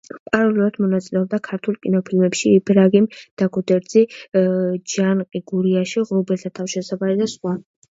პარალელურად მონაწილეობდა ქართულ კინოფილმებში: „იბრაგიმ და გოდერძი“, „ჯანყი გურიაში“, „ღრუბელთა თავშესაფარი“ და სხვა.